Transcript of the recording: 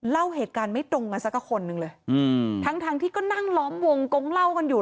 เล่าเหตุการณ์ไม่ตรงกันสักคนหนึ่งเลยอืมทั้งทั้งที่ก็นั่งล้อมวงกงเล่ากันอยู่